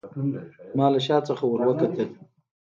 ما له شا څخه وروکتل.